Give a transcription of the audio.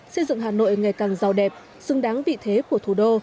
xây dựng hà nội ngày càng giàu đẹp xứng đáng vị thế của thủ đô